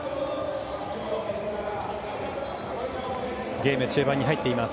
ゲーム中盤に入っています。